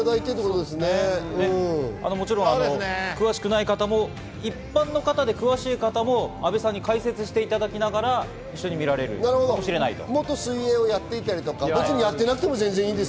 詳しくない方も一般の方で詳しい方も阿部さんに解説していただきながら、一緒に見られるかもしれないという。